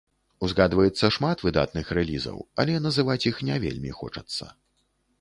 Узгадваецца шмат выдатных рэлізаў, але называць іх не вельмі хочацца.